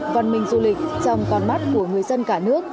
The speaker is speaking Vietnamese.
văn minh du lịch trong con mắt của người dân cả nước